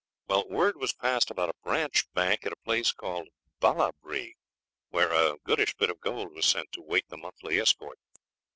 Well, word was passed about a branch bank at a place called Ballabri, where a goodish bit of gold was sent to wait the monthly escort.